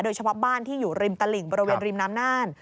โดยเฉพาะบ้านที่อยู่ริมตลิ่งบริเวณริมน้ำน่าน